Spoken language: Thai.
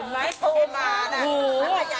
ในห้องนี้ข้างนอกห้อง